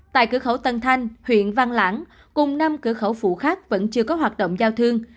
tại cửa khẩu tân thanh huyện văn lãng cùng năm cửa khẩu phụ khác vẫn chưa có hoạt động giao thương